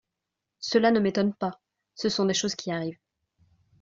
Cela ne m’étonne pas ! Ce sont des choses qui arrivent.